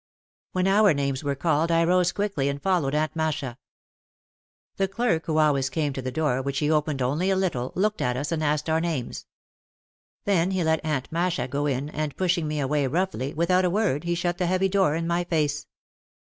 When our names were called I rose quickly and fol lowed Aunt Masha. The clerk who always came to the door, which he opened only a little, looked at us and asked our names. Then he let Aunt Masha go in and pushing me away roughly without a word he shut the heavy door in my face.